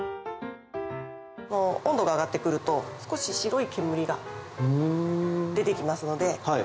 温度が上がってくると少し白い煙が出てきますので。